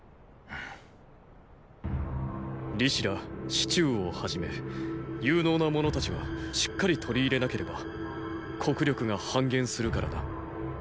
李斯ら“四柱”をはじめ有能な者たちはしっかり取り入れなければ国力が半減するからな。